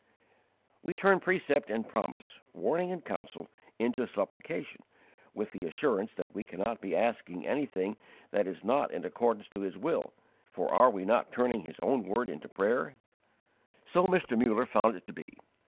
We turn precept and promise, warning and counsel into supplication, with the assurance that we cannot be asking anything that is not according to His will,* for are we not turning His own word into prayer? * 1 John v. 13. So Mr. Muller found it to be.